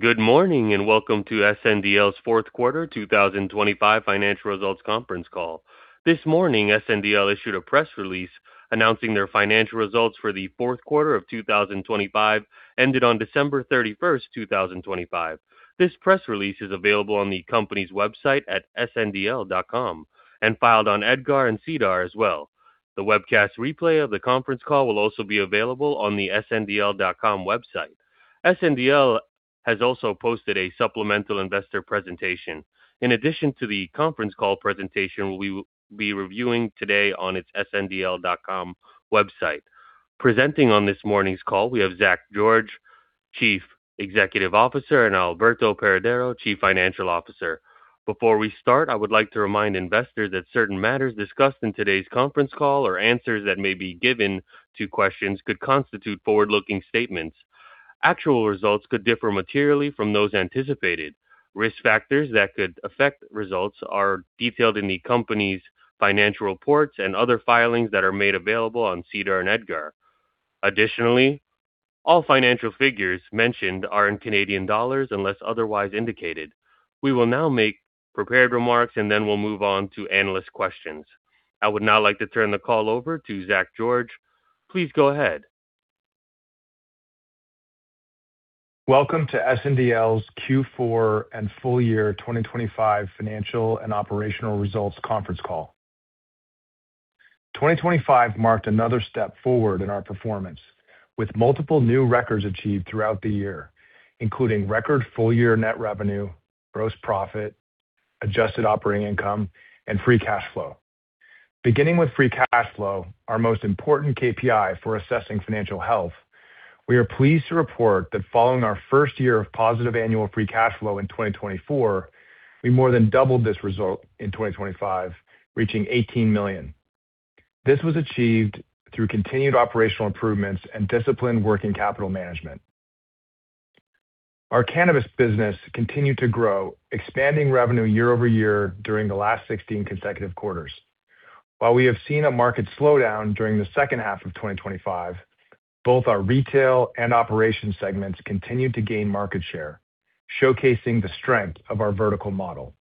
Good morning, and welcome to SNDL's fourth quarter 2025 financial results conference call. This morning, SNDL issued a press release announcing their financial results for the fourth quarter of 2025, ended on 31 December 2025. This press release is available on the company's website at sndl.com and filed on EDGAR and SEDAR as well. The webcast replay of the conference call will also be available on the sndl.com website. SNDL has also posted a supplemental investor presentation. In addition to the conference call presentation, we will be reviewing today on its sndl.com website. Presenting on this morning's call, we have Zach George, Chief Executive Officer, and Alberto Paredero-Quiros, Chief Financial Officer. Before we start, I would like to remind investors that certain matters discussed in today's conference call or answers that may be given to questions could constitute forward-looking statements. Actual results could differ materially from those anticipated. Risk factors that could affect results are detailed in the company's financial reports and other filings that are made available on SEDAR and EDGAR. Additionally, all financial figures mentioned are in Canadian dollars unless otherwise indicated. We will now make prepared remarks, and then we'll move on to analyst questions. I would now like to turn the call over to Zach George. Please go ahead. Welcome to SNDL's Q4 and full year 2025 financial and operational results conference call. 2025 marked another step forward in our performance, with multiple new records achieved throughout the year, including record full-year net revenue, gross profit, adjusted operating income, and free cash flow. Beginning with free cash flow, our most important KPI for assessing financial health, we are pleased to report that following our first year of positive annual free cash flow in 2024, we more than doubled this result in 2025, reaching 18 million. This was achieved through continued operational improvements and disciplined working capital management. Our Cannabis business continued to grow, expanding revenue year-over-year during the last 16 consecutive quarters. While we have seen a market slowdown during the second half of 2025, both our retail and operations segments continued to gain market share, showcasing the strength of our vertical model.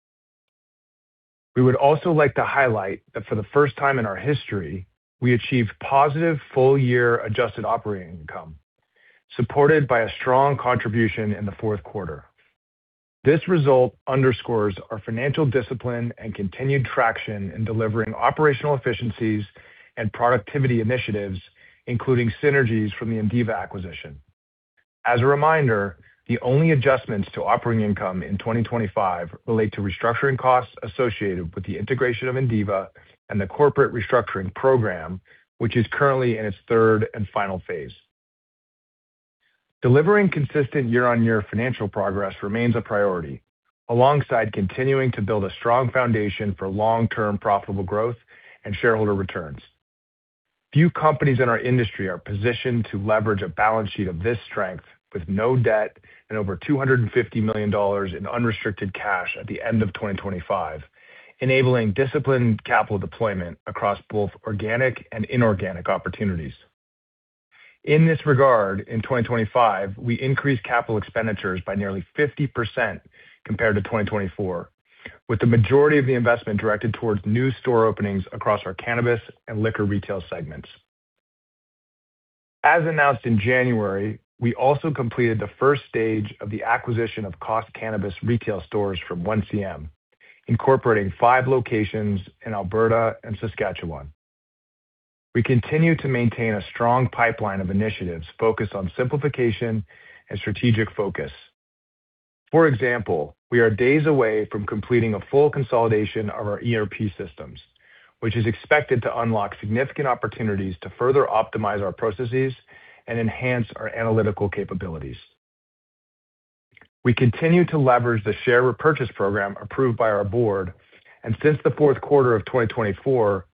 We would also like to highlight that for the first time in our history, we achieved positive full-year adjusted operating income, supported by a strong contribution in the fourth quarter. This result underscores our financial discipline and continued traction in delivering operational efficiencies and productivity initiatives, including synergies from the Indiva acquisition. As a reminder, the only adjustments to operating income in 2025 relate to restructuring costs associated with the integration of Indiva and the corporate restructuring program, which is currently in its third and final phase. Delivering consistent year-on-year financial progress remains a priority, alongside continuing to build a strong foundation for long-term profitable growth and shareholder returns. Few companies in our industry are positioned to leverage a balance sheet of this strength with no debt and over 250 million dollars in unrestricted cash at the end of 2025, enabling disciplined capital deployment across both organic and inorganic opportunities. In this regard, in 2025, we increased capital expenditures by nearly 50% compared to 2024, with the majority of the investment directed towards new store openings across our cannabis and liquor retail segments. As announced in January, we also completed the first stage of the acquisition of Cost Cannabis retail stores from 1CM Inc., incorporating five locations in Alberta and Saskatchewan. We continue to maintain a strong pipeline of initiatives focused on simplification and strategic focus. For example, we are days away from completing a full consolidation of our ERP systems, which is expected to unlock significant opportunities to further optimize our processes and enhance our analytical capabilities. We continue to leverage the share repurchase program approved by our board, and since the fourth quarter of 2024,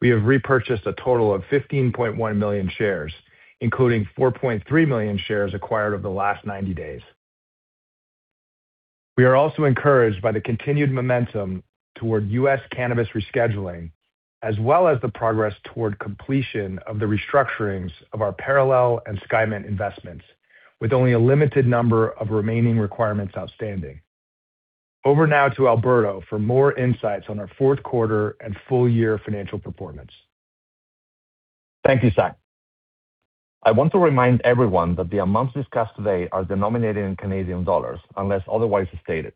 we have repurchased a total of 15.1 million shares, including 4.3 million shares acquired over the last 90 days. We are also encouraged by the continued momentum toward U.S. Cannabis rescheduling, as well as the progress toward completion of the restructurings of our Parallel and Skymint investments, with only a limited number of remaining requirements outstanding. Over now to Alberto for more insights on our fourth quarter and full-year financial performance. Thank you, Zach. I want to remind everyone that the amounts discussed today are denominated in Canadian dollars, unless otherwise stated.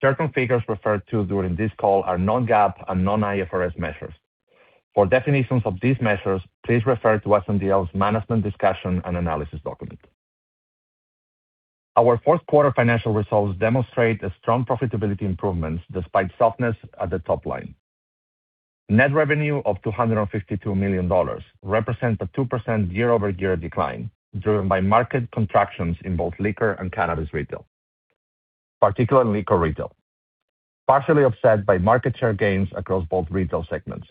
Certain figures referred to during this call are non-GAAP and non-IFRS measures. For definitions of these measures, please refer to SNDL's management discussion and analysis document. Our fourth quarter financial results demonstrate a strong profitability improvements despite softness at the top line. Net revenue of 252 million dollars represents a 2% year-over-year decline, driven by market contractions in both liquor and cannabis retail, particularly liquor retail, partially offset by market share gains across both retail segments.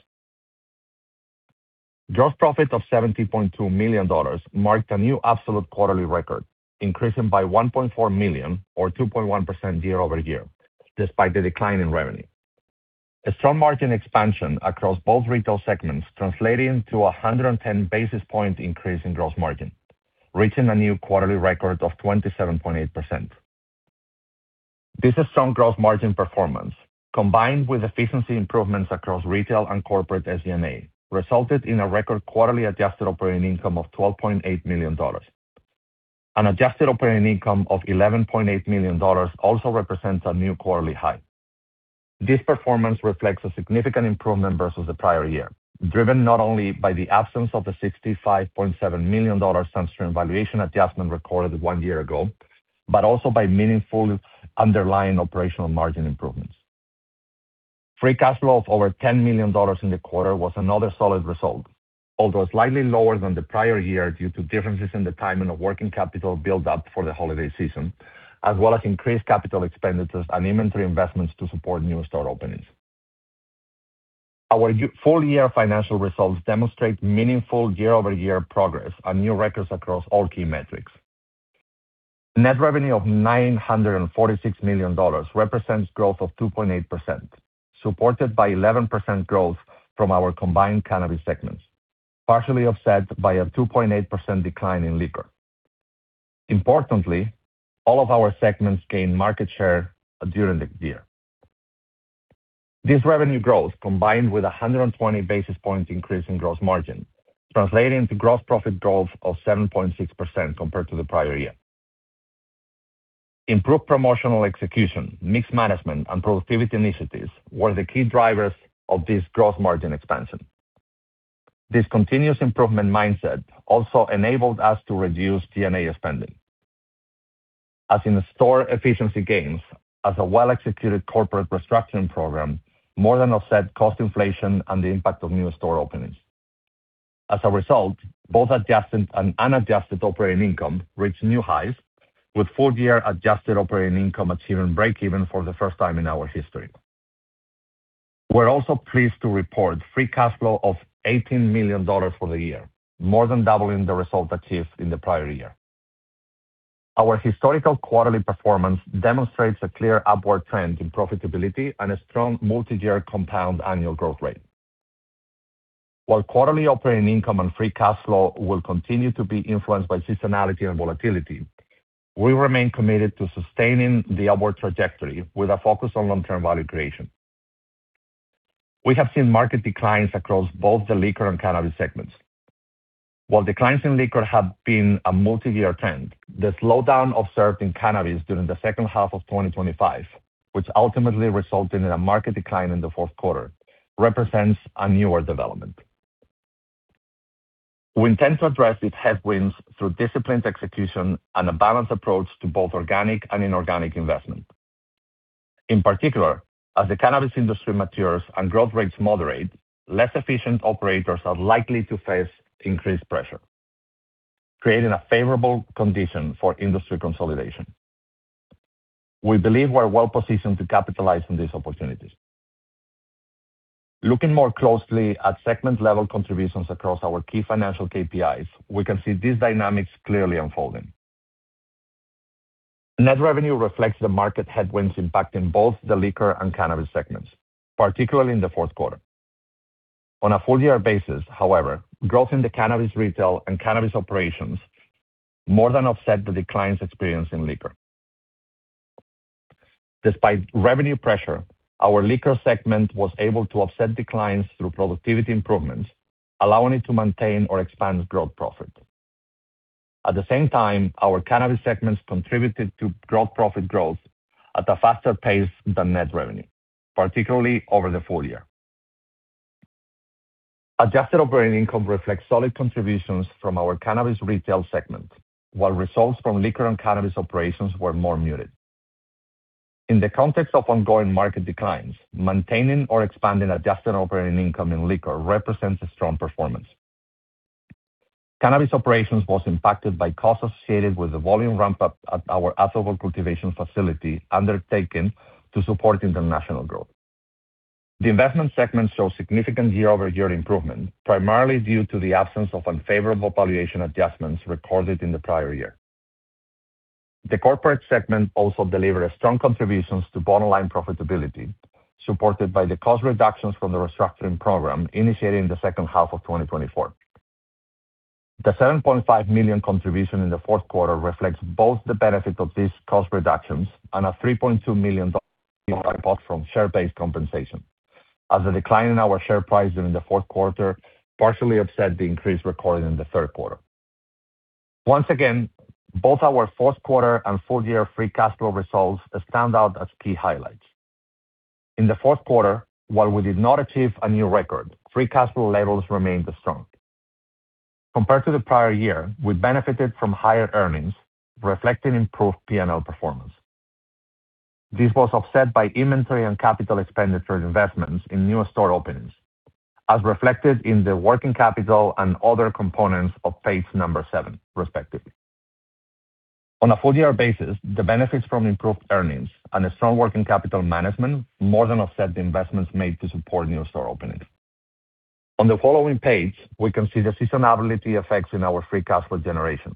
Gross profit of 70.2 million dollars marked a new absolute quarterly record, increasing by 1.4 million or 2.1% year-over-year despite the decline in revenue. A strong margin expansion across both retail segments translating to a 110 basis point increase in gross margin, reaching a new quarterly record of 27.8%. This strong gross margin performance, combined with efficiency improvements across retail and corporate SG&A, resulted in a record quarterly adjusted operating income of 12.8 million dollars. An adjusted operating income of 11.8 million dollars also represents a new quarterly high. This performance reflects a significant improvement versus the prior year, driven not only by the absence of the 65.7 million dollar SunStream valuation adjustment recorded one year ago, but also by meaningful underlying operational margin improvements. Free cash flow of over 10 million dollars in the quarter was another solid result, although slightly lower than the prior year due to differences in the timing of working capital build up for the holiday season, as well as increased capital expenditures and inventory investments to support new store openings. Our full year financial results demonstrate meaningful year-over-year progress on new records across all key metrics. Net revenue of 946 million dollars represents growth of 2.8%, supported by 11% growth from our combined cannabis segments, partially offset by a 2.8% decline in liquor. Importantly, all of our segments gained market share during the year. This revenue growth, combined with a 120 basis points increase in gross margin, translating to gross profit growth of 7.6% compared to the prior year. Improved promotional execution, mix management, and productivity initiatives were the key drivers of this gross margin expansion. This continuous improvement mindset also enabled us to reduce G&A spending. As in-store efficiency gains and a well-executed corporate restructuring program more than offset cost inflation and the impact of new store openings. As a result, both adjusted and unadjusted operating income reached new highs, with full-year adjusted operating income achieving break-even for the first time in our history. We're also pleased to report free cash flow of 18 million dollars for the year, more than doubling the result achieved in the prior year. Our historical quarterly performance demonstrates a clear upward trend in profitability and a strong multi-year compound annual growth rate. While quarterly operating income and free cash flow will continue to be influenced by seasonality and volatility, we remain committed to sustaining the upward trajectory with a focus on long-term value creation. We have seen market declines across both the liquor and cannabis segments. While declines in liquor have been a multi-year trend, the slowdown observed in cannabis during the second half of 2025, which ultimately resulted in a market decline in the fourth quarter, represents a newer development. We intend to address these headwinds through disciplined execution and a balanced approach to both organic and inorganic investment. In particular, as the cannabis industry matures and growth rates moderate, less efficient operators are likely to face increased pressure, creating a favorable condition for industry consolidation. We believe we're well-positioned to capitalize on these opportunities. Looking more closely at segment-level contributions across our key financial KPIs, we can see these dynamics clearly unfolding. Net revenue reflects the market headwinds impacting both the Liquor and Cannabis segments, particularly in the fourth quarter. On a full-year basis, however, growth in the Cannabis Retail and Cannabis Operations more than offset the declines experienced in Liquor. Despite revenue pressure, our Liquor segment was able to offset declines through productivity improvements, allowing it to maintain or expand growth profit. At the same time, our Cannabis segments contributed to gross profit growth at a faster pace than net revenue, particularly over the full year. Adjusted operating income reflects solid contributions from our Cannabis Retail segment, while results from Liquor and Cannabis Operations were more muted. In the context of ongoing market declines, maintaining or expanding adjusted operating income in Liquor represents a strong performance. Cannabis Operations was impacted by costs associated with the volume ramp-up at our Atholville cultivation facility undertaken to support international growth. The investment segment saw significant year-over-year improvement, primarily due to the absence of unfavorable valuation adjustments recorded in the prior year. The corporate segment also delivered strong contributions to bottom-line profitability, supported by the cost reductions from the restructuring program initiated in the second half of 2024. The 7.5 million contribution in the fourth quarter reflects both the benefit of these cost reductions and a 3.2 million dollar from share-based compensation as a decline in our share price during the fourth quarter partially offset the increase recorded in the third quarter. Once again, both our fourth quarter and full-year free cash flow results stand out as key highlights. In the fourth quarter, while we did not achieve a new record, free cash flow levels remained strong. Compared to the prior year, we benefited from higher earnings reflecting improved P&L performance. This was offset by inventory and capital expenditure investments in new store openings, as reflected in the working capital and other components of page seven, respectively. On a full-year basis, the benefits from improved earnings and a strong working capital management more than offset the investments made to support new store openings. On the following page, we can see the seasonality effects in our free cash flow generation.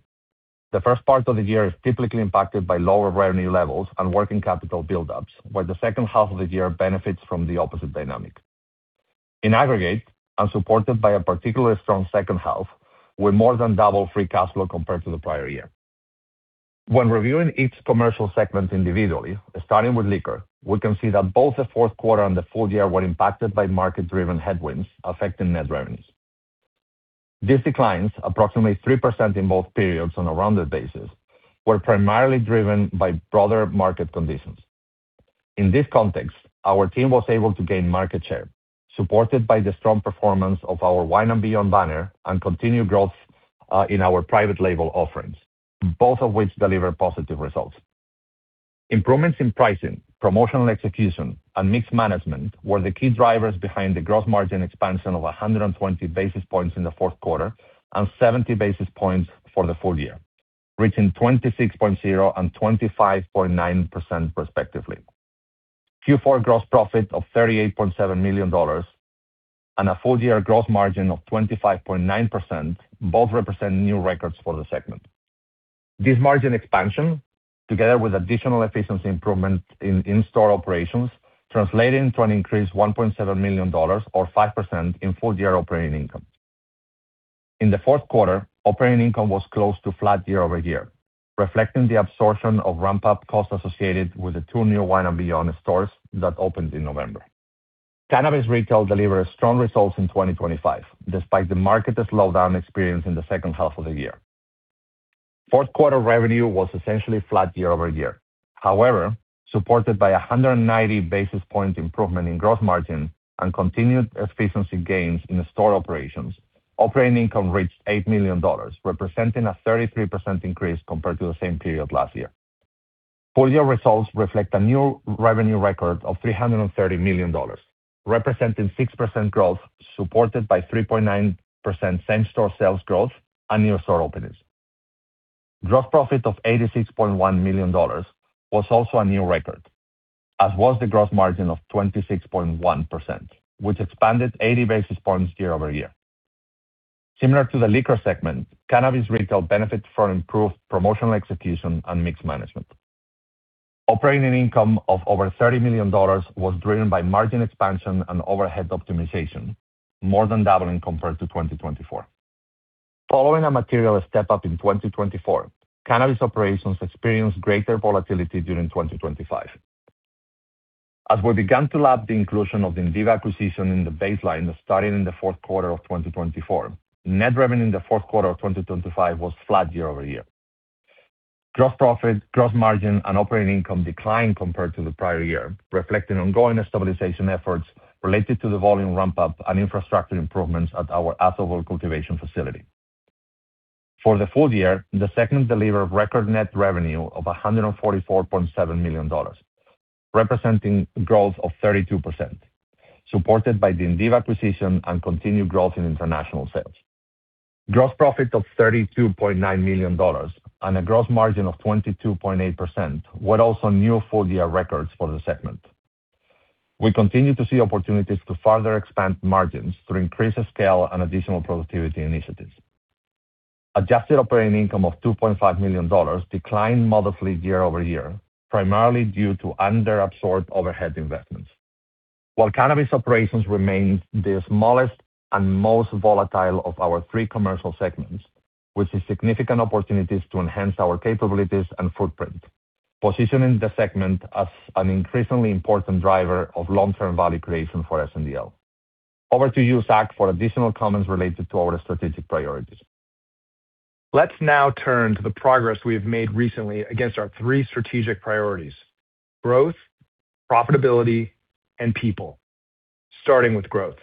The first part of the year is typically impacted by lower revenue levels and working capital buildups, where the second half of the year benefits from the opposite dynamic. In aggregate, and supported by a particularly strong second half, we more than double free cash flow compared to the prior year. When reviewing each commercial segment individually, starting with liquor, we can see that both the fourth quarter and the full year were impacted by market-driven headwinds affecting net revenues. These declines, approximately 3% in both periods on a rounded basis, were primarily driven by broader market conditions. In this context, our team was able to gain market share, supported by the strong performance of our Wine and Beyond banner and continued growth in our private label offerings, both of which deliver positive results. Improvements in pricing, promotional execution, and mix management were the key drivers behind the gross margin expansion of 120 basis points in the fourth quarter and 70 basis points for the full year, reaching 26.0% and 25.9% respectively. Q4 gross profit of 38.7 million dollars and a full-year gross margin of 25.9% both represent new records for the segment. This margin expansion, together with additional efficiency improvements in in-store operations, translating to an increased 1.7 million dollars or 5% in full-year operating income. In the fourth quarter, operating income was close to flat year-over-year, reflecting the absorption of ramp-up costs associated with the two new Wine and Beyond stores that opened in November. Cannabis retail delivered strong results in 2025, despite the market slowdown experienced in the second half of the year. Fourth quarter revenue was essentially flat year-over-year. However, supported by a 190 basis point improvement in gross margin and continued efficiency gains in the store operations, operating income reached 8 million dollars, representing a 33% increase compared to the same period last year. Full year results reflect a new revenue record of 330 million dollars, representing 6% growth, supported by 3.9% same-store sales growth and new store openings. Gross profit of 86.1 million dollars was also a new record, as was the gross margin of 26.1%, which expanded 80 basis points year-over-year. Similar to the liquor segment, cannabis retail benefits from improved promotional execution and mix management. Operating income of over 30 million dollars was driven by margin expansion and overhead optimization, more than doubling compared to 2024. Following a material step-up in 2024, Cannabis Operations experienced greater volatility during 2025. As we began to lap the inclusion of the Indiva acquisition in the baseline starting in the fourth quarter of 2024, net revenue in the fourth quarter of 2025 was flat year-over-year. Gross profit, gross margin, and operating income declined compared to the prior year, reflecting ongoing stabilization efforts related to the volume ramp-up and infrastructure improvements at our Atholville cultivation facility. For the full year, the segment delivered record net revenue of 144.7 million dollars, representing growth of 32%, supported by the Indiva acquisition and continued growth in international sales. Gross profit of 32.9 million dollars and a gross margin of 22.8% were also new full-year records for the segment. We continue to see opportunities to further expand margins through increased scale and additional productivity initiatives. Adjusted operating income of 2.5 million dollars declined modestly year-over-year, primarily due to under-absorbed overhead investments. While cannabis operations remain the smallest and most volatile of our three commercial segments, which has significant opportunities to enhance our capabilities and footprint, positioning the segment as an increasingly important driver of long-term value creation for SNDL. Over to you, Zach, for additional comments related to our strategic priorities. Let's now turn to the progress we have made recently against our three strategic priorities. Growth, profitability, and people. Starting with growth.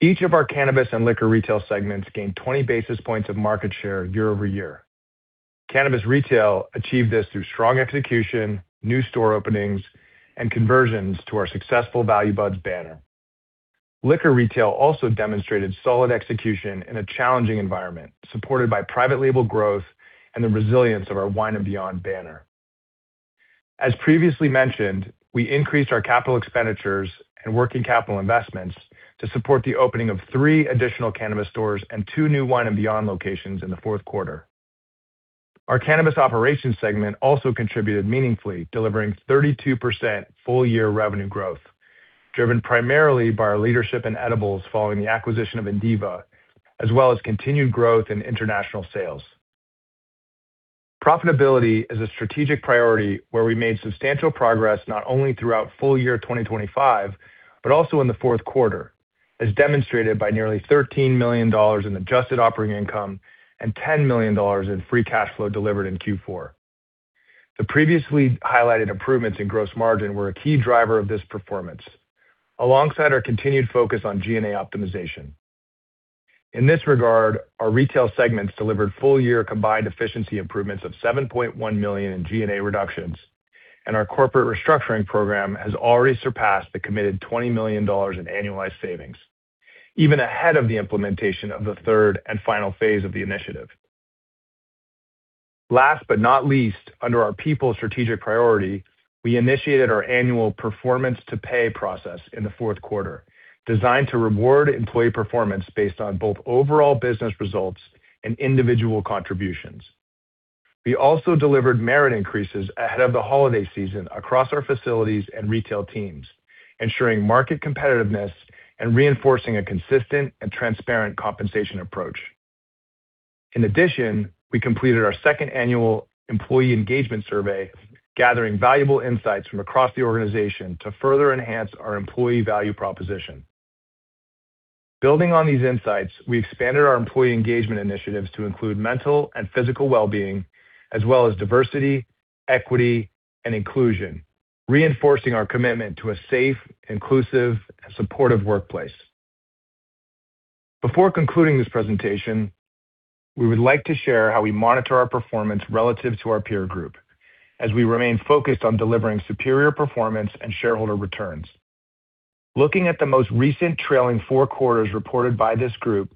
Each of our Cannabis and Liquor Retail segments gained 20 basis points of market share year-over-year. Cannabis Retail achieved this through strong execution, new store openings, and conversions to our successful Value Buds banner. Liquor Retail also demonstrated solid execution in a challenging environment, supported by private label growth and the resilience of our Wine and Beyond banner. As previously mentioned, we increased our capital expenditures and working capital investments to support the opening of three additional cannabis stores and two new Wine and Beyond locations in the fourth quarter. Our cannabis operations segment also contributed meaningfully, delivering 32% full-year revenue growth, driven primarily by our leadership in edibles following the acquisition of Indiva, as well as continued growth in international sales. Profitability is a strategic priority where we made substantial progress not only throughout full year 2025, but also in the fourth quarter, as demonstrated by nearly 13 million dollars in adjusted operating income and 10 million dollars in free cash flow delivered in Q4. The previously highlighted improvements in gross margin were a key driver of this performance, alongside our continued focus on G&A optimization. In this regard, our retail segments delivered full-year combined efficiency improvements of 7.1 million in G&A reductions, and our corporate restructuring program has already surpassed the committed 20 million dollars in annualized savings, even ahead of the implementation of the third and final phase of the initiative. Last but not least, under our people strategic priority, we initiated our annual performance to pay process in the fourth quarter, designed to reward employee performance based on both overall business results and individual contributions. We also delivered merit increases ahead of the holiday season across our facilities and retail teams, ensuring market competitiveness and reinforcing a consistent and transparent compensation approach. In addition, we completed our second annual employee engagement survey, gathering valuable insights from across the organization to further enhance our employee value proposition. Building on these insights, we expanded our employee engagement initiatives to include mental and physical well-being as well as diversity, equity, and inclusion, reinforcing our commitment to a safe, inclusive, and supportive workplace. Before concluding this presentation, we would like to share how we monitor our performance relative to our peer group as we remain focused on delivering superior performance and shareholder returns. Looking at the most recent trailing four quarters reported by this group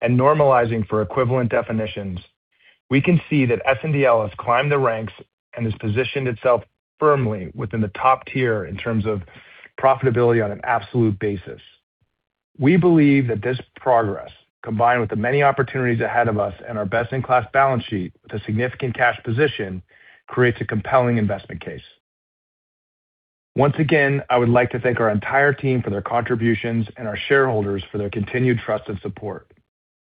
and normalizing for equivalent definitions, we can see that SNDL has climbed the ranks and has positioned itself firmly within the top tier in terms of profitability on an absolute basis. We believe that this progress, combined with the many opportunities ahead of us and our best-in-class balance sheet with a significant cash position, creates a compelling investment case. Once again, I would like to thank our entire team for their contributions and our shareholders for their continued trust and support.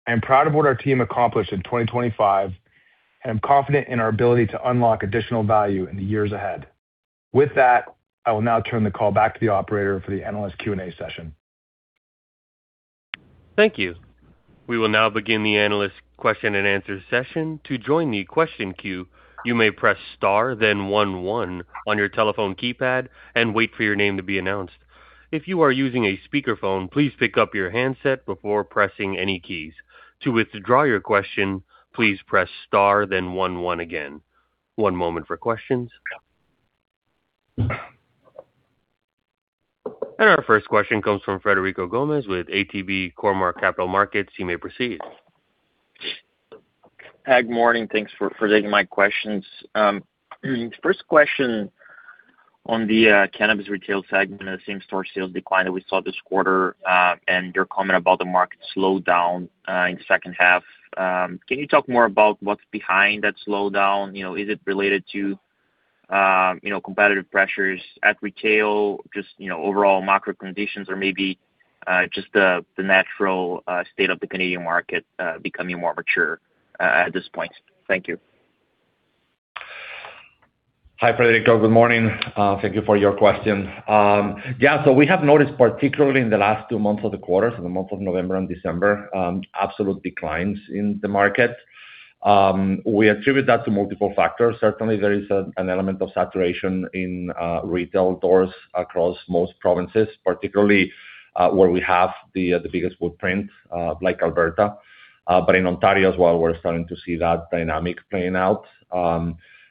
I am proud of what our team accomplished in 2025, and I'm confident in our ability to unlock additional value in the years ahead. With that, I will now turn the call back to the operator for the analyst Q&A session. Thank you. We will now begin the analyst question-and-answer session. To join the question queue, you may press star, then one one on your telephone keypad and wait for your name to be announced. If you are using a speakerphone, please pick up your handset before pressing any keys. To withdraw your question, please press star then one one again. One moment for questions. Our first question comes from Frederico Gomes with ATB Capital Markets. You may proceed. Good morning. Thanks for taking my questions. First question on the SNDL retail segment and the same-store sales decline that we saw this quarter, and your comment about the market slowdown in second half. Can you talk more about what's behind that slowdown? You know, is it related to, you know, competitive pressures at retail, just, you know, overall macro conditions or maybe, just the natural state of the Canadian market becoming more mature at this point? Thank you. Hi, Frederico. Good morning. Thank you for your question. Yeah. We have noticed, particularly in the last two months of the quarter, so the month of November and December, absolute declines in the market. We attribute that to multiple factors. Certainly, there is an element of saturation in retail doors across most provinces, particularly where we have the biggest footprint, like Alberta. But in Ontario as well, we're starting to see that dynamic playing out.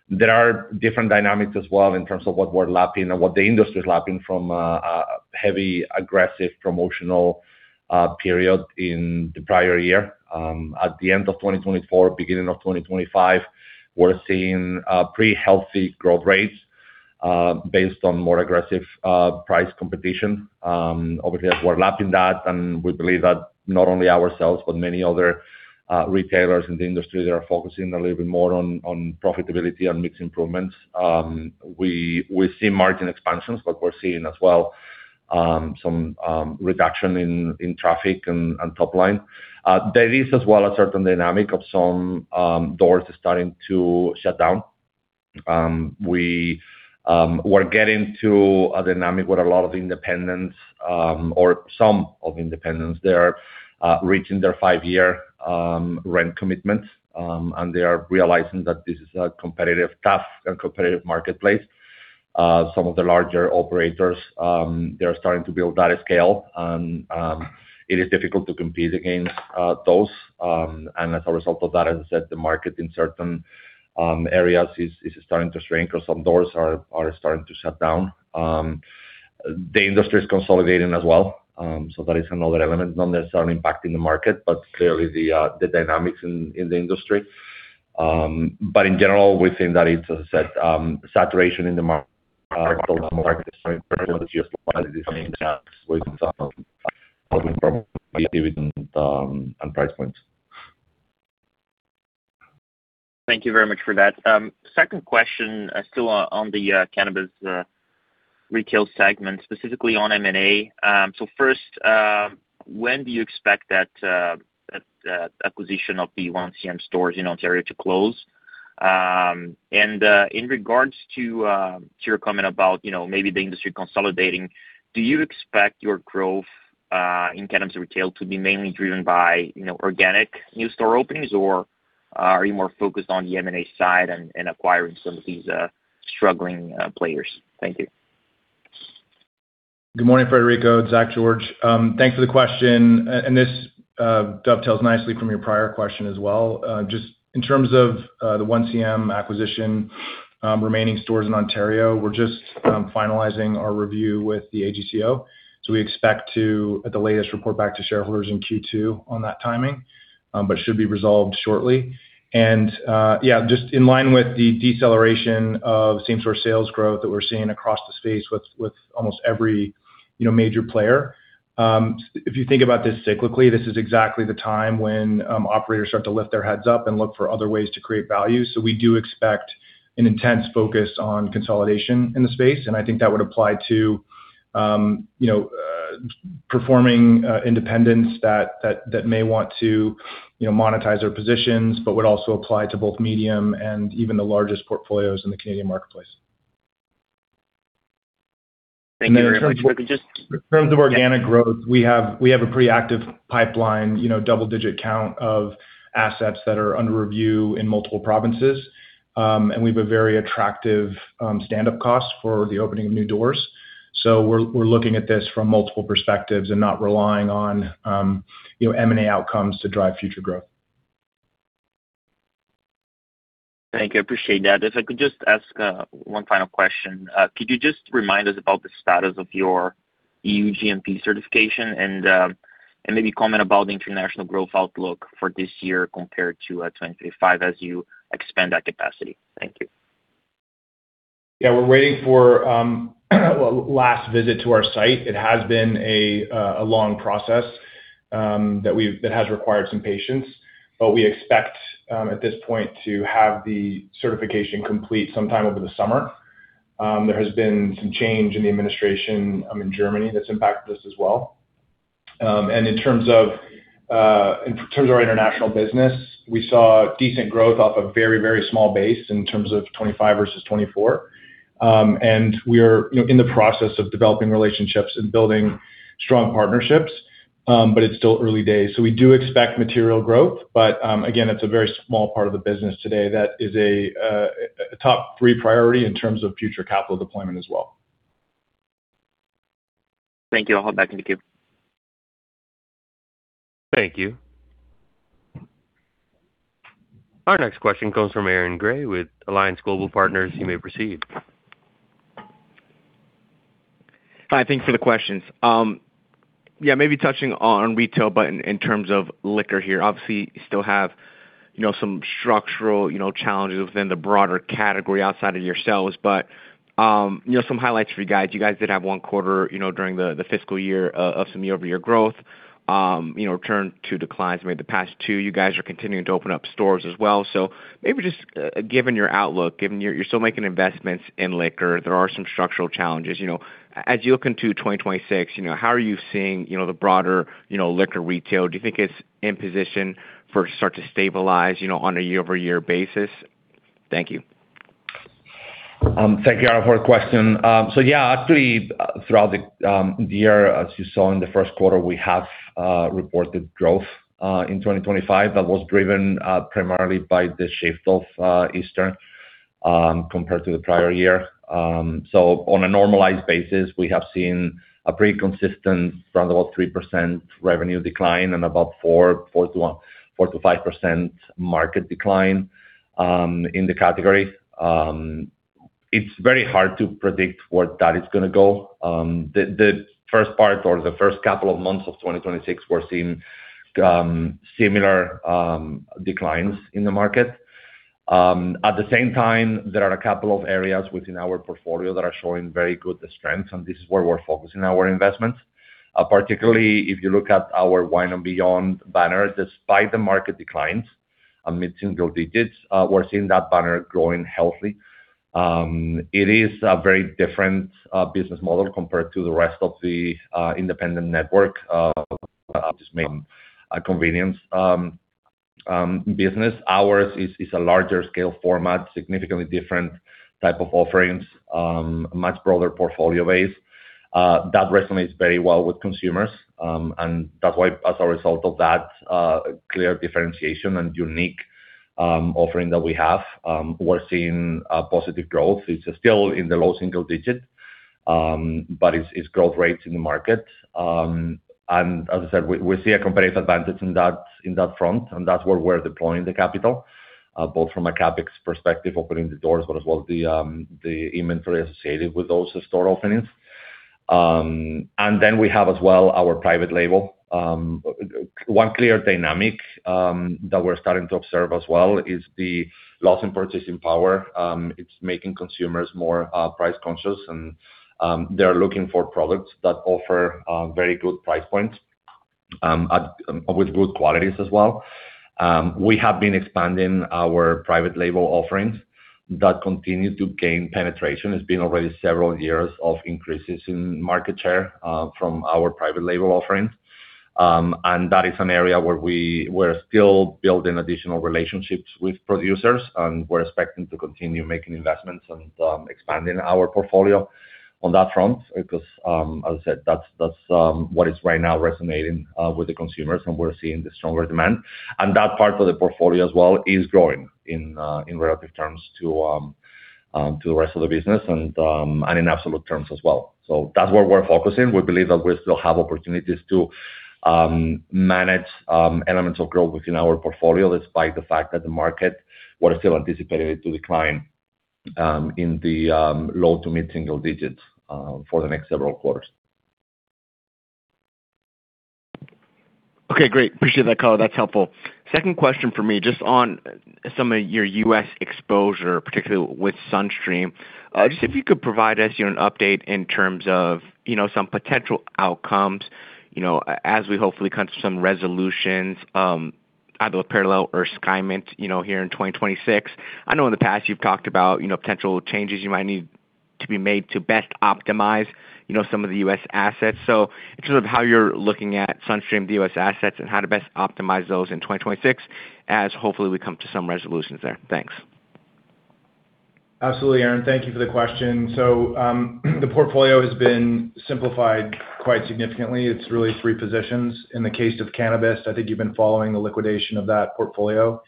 There are different dynamics as well in terms of what we're lapping and what the industry is lapping from a heavy, aggressive promotional period in the prior year. At the end of 2024, beginning of 2025, we're seeing pretty healthy growth rates based on more aggressive price competition. Obviously as we're lapping that, and we believe that not only ourselves, but many other retailers in the industry, they are focusing a little bit more on profitability and mix improvements. We see margin expansions, but we're seeing as well some reduction in traffic and top line. There is as well a certain dynamic of some doors starting to shut down. We're getting to a dynamic where a lot of independents or some of independents they are reaching their five-year rent commitments, and they are realizing that this is a competitive, tough and competitive marketplace. Some of the larger operators, they're starting to build that scale and it is difficult to compete against those. As a result of that, as I said, the market in certain areas is starting to shrink or some doors are starting to shut down. The industry is consolidating as well, that is another element, not necessarily impacting the market, but clearly the dynamics in the industry. In general, we think that it's, as I said, saturation in the market and price points. Thank you very much for that. Second question, still on the cannabis retail segment, specifically on M&A. So first, when do you expect that acquisition of the 1CM Inc. stores in Ontario to close? In regards to your comment about, you know, maybe the industry consolidating, do you expect your growth in cannabis retail to be mainly driven by, you know, organic new store openings, or are you more focused on the M&A side and acquiring some of these struggling players? Thank you. Good morning, Frederico. It's Zach George. Thanks for the question. This dovetails nicely from your prior question as well. Just in terms of the 1CM acquisition, remaining stores in Ontario, we're just finalizing our review with the AGCO. We expect to, at the latest, report back to shareholders in Q2 on that timing, but should be resolved shortly. Yeah, just in line with the deceleration of same-store sales growth that we're seeing across the space with almost every, you know, major player, if you think about this cyclically, this is exactly the time when operators start to lift their heads up and look for other ways to create value. We do expect an intense focus on consolidation in the space, and I think that would apply to, you know, performing independents that may want to, you know, monetize their positions, but would also apply to both medium and even the largest portfolios in the Canadian marketplace. Thank you very much. In terms of organic growth, we have a pretty active pipeline, you know, double-digit count of assets that are under review in multiple provinces. We have a very attractive standup cost for the opening of new doors. We're looking at this from multiple perspectives and not relying on, you know, M&A outcomes to drive future growth. Thank you. I appreciate that. If I could just ask one final question. Could you just remind us about the status of your EU GMP certification and maybe comment about the international growth outlook for this year compared to 2025 as you expand that capacity? Thank you. Yeah. We're waiting for last visit to our site. It has been a long process that has required some patience, but we expect at this point to have the certification complete sometime over the summer. There has been some change in the administration in Germany that's impacted us as well. In terms of our international business, we saw decent growth off a very small base in terms of 2025 versus 2024. We are, you know, in the process of developing relationships and building strong partnerships, but it's still early days. We do expect material growth. Again, it's a very small part of the business today that is a top three priority in terms of future capital deployment as well. Thank you. I'll hop back in the queue. Thank you. Our next question comes from Aaron Grey with Alliance Global Partners. You may proceed. Hi. Thanks for the questions. Yeah, maybe touching on retail, but in terms of liquor here, obviously, you still have, you know, some structural, you know, challenges within the broader category outside of yourselves. You know, some highlights for you guys. You guys did have one quarter, you know, during the fiscal year of some year-over-year growth, you know, return to declines over the past two. You guys are continuing to open up stores as well. Maybe just, given your outlook, given you're still making investments in liquor, there are some structural challenges. You know, as you look into 2026, you know, how are you seeing, you know, the broader, you know, liquor retail? Do you think it's in position for start to stabilize, you know, on a year-over-year basis? Thank you. Thank you, Aaron, for the question. Yeah, actually, throughout the year, as you saw in the first quarter, we have reported growth in 2025. That was driven primarily by the shift of Easter compared to the prior year. On a normalized basis, we have seen a pretty consistent around 3% revenue decline and about 4%-5% market decline in the category. It's very hard to predict where that is gonna go. The first part or the first couple of months of 2026, we're seeing similar declines in the market. At the same time, there are a couple of areas within our portfolio that are showing very good strength, and this is where we're focusing our investments. Particularly if you look at our Wine and Beyond banner, despite the market declines, mid-single digits, we're seeing that banner growing healthy. It is a very different business model compared to the rest of the independent network, just main convenience business. Ours is a larger scale format, significantly different type of offerings, much broader portfolio base. That resonates very well with consumers, and that's why as a result of that, clear differentiation and unique offering that we have, we're seeing positive growth. It's still in the low single digit, but it's growth rates in the market. As I said, we see a competitive advantage in that front, and that's where we're deploying the capital, both from a CapEx perspective, opening the doors, but as well the inventory associated with those store openings. We have as well our private label. One clear dynamic that we're starting to observe as well is the loss in purchasing power. It's making consumers more price conscious, and they're looking for products that offer very good price points with good qualities as well. We have been expanding our private label offerings. That continue to gain penetration. It's been already several years of increases in market share from our private label offerings. That is an area where we're still building additional relationships with producers, and we're expecting to continue making investments and expanding our portfolio on that front because, as I said, that's what is right now resonating with the consumers, and we're seeing the stronger demand. That part of the portfolio as well is growing in relative terms to the rest of the business and in absolute terms as well. That's where we're focusing. We believe that we still have opportunities to manage elements of growth within our portfolio, despite the fact that the market we're still anticipating it to decline in the low- to mid-single digits for the next several quarters. Okay, great. Appreciate that color. That's helpful. Second question for me, just on some of your U.S. exposure, particularly with SunStream. Just if you could provide us, you know, an update in terms of, you know, some potential outcomes, you know, as we hopefully come to some resolutions, either with Parallel or Skymint, you know, here in 2026. I know in the past you've talked about, you know, potential changes you might need to be made to best optimize, you know, some of the U.S. assets. In terms of how you're looking at SunStream, the U.S. assets and how to best optimize those in 2026 as hopefully we come to some resolutions there. Thanks. Absolutely, Aaron. Thank you for the question. The portfolio has been simplified quite significantly. It's really three positions. In the case of cannabis, I think you've been following the liquidation of that portfolio.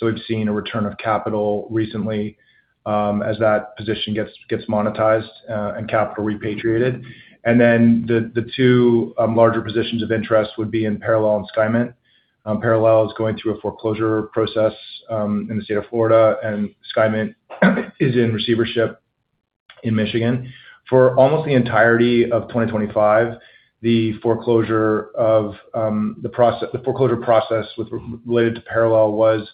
We've seen a return of capital recently, as that position gets monetized, and capital repatriated. The two larger positions of interest would be in Parallel and Skymint. Parallel is going through a foreclosure process in the state of Florida, and Skymint is in receivership in Michigan. For almost the entirety of 2025, the foreclosure process related to Parallel was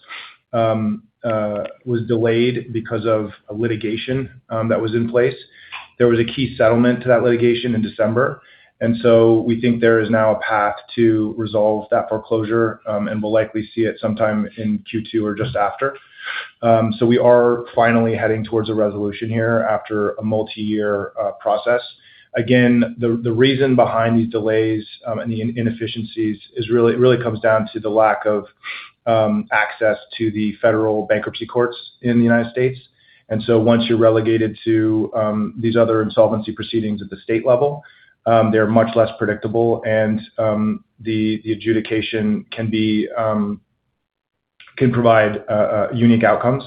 delayed because of a litigation that was in place. There was a key settlement to that litigation in December, and we think there is now a path to resolve that foreclosure, and we'll likely see it sometime in Q2 or just after. We are finally heading towards a resolution here after a multi-year process. The reason behind these delays and the inefficiencies is really, it really comes down to the lack of access to the federal bankruptcy courts in the United States. Once you're relegated to these other insolvency proceedings at the state level, they're much less predictable and the adjudication can provide unique outcomes.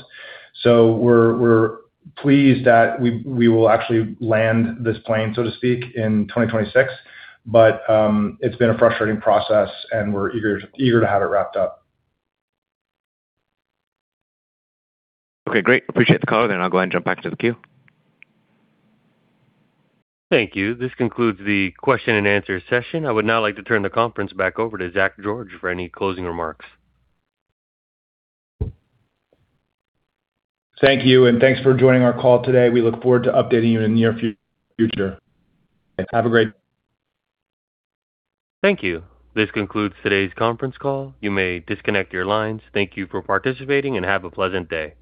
We're pleased that we will actually land this plane, so to speak, in 2026. It's been a frustrating process, and we're eager to have it wrapped up. Okay, great. Appreciate the color, then I'll go ahead and jump back to the queue. Thank you. This concludes the question and answer session. I would now like to turn the conference back over to Zach George for any closing remarks. Thank you, and thanks for joining our call today. We look forward to updating you in the near future. Have a great. Thank you. This concludes today's conference call. You may disconnect your lines. Thank you for participating and have a pleasant day.